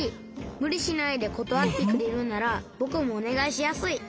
むりしないでことわってくれるならぼくもおねがいしやすい。